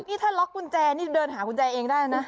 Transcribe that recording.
นี่ถ้าล็อกกุญแจนี่เดินหากุญแจเองได้นะ